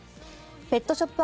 ペットショップ